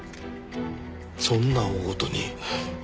そんな大ごとに。